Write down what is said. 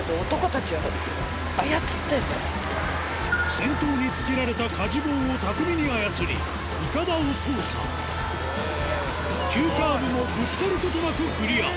先頭に付けられた舵棒を巧みに操り筏を操作急カーブもぶつかることなくクリア